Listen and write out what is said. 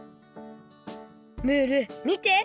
ムールみて！